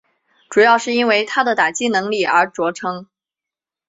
主要是因为他的打击能力而着称。